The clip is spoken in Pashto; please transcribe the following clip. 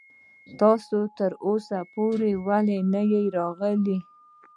تاسو تر اوسه پورې ولې نه يې راغلی.